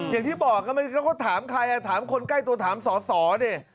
อย่างที่บอกเขาก็ถามใครถามคนใกล้ตัวถามสอเนี่ย